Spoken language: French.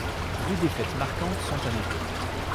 Deux défaites marquantes sont à noter.